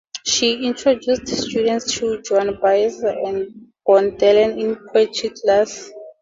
She introduced students to Joan Baez and Bob Dylan in poetry class.